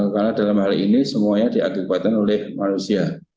karena dalam hal ini semuanya diakibatkan oleh manusia